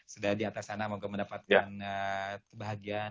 sudah di atas sana semoga mendapatkan kebahagiaan